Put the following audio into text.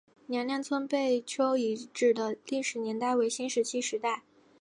娘娘村贝丘遗址的历史年代为新石器时代。